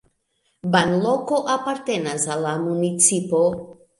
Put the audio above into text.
Banloko apartenas al la municipo.